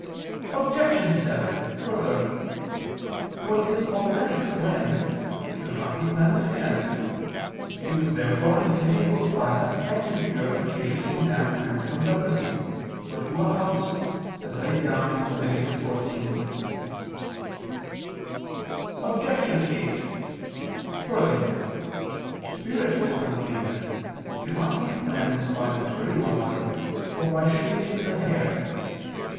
Obj. 7: Further, what is already cleansed should not be cleansed again. It was therefore unfitting to apply a second purification to a man cleansed from leprosy, or to a house; as laid down in Lev. 14. Obj. 8: Further, spiritual uncleanness cannot be cleansed by material water or by shaving the hair.